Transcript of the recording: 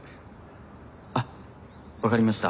あっ分かりました。